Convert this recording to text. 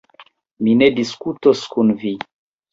Mi ne disputos kun vi.